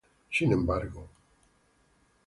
Sin embargo